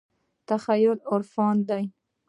تخلص يې عرفان دى.